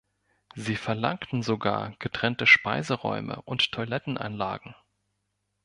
Sie verlangten sogar getrennte Speiseräume und Toilettenanlagen.